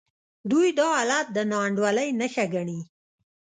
دوی دا حالت د ناانډولۍ نښه ګڼي.